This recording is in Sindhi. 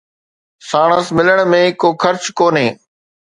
ساڻس ملڻ ۾ ڪو حرج ڪونهي